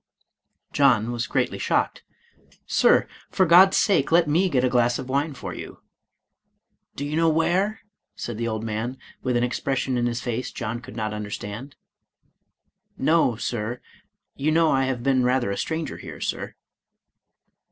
*' John was greatly shocked. " Sir, for God's sake, let me get a glass of wine for you." "Do you know where?" said the old man, with an expression in his face John could not under stand. " No, Sir ; you know I have been rather a stranger here. Sir."